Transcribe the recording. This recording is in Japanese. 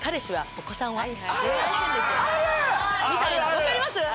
分かります？